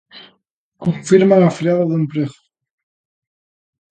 Confirman a freada do emprego.